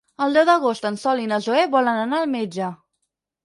El deu d'agost en Sol i na Zoè volen anar al metge.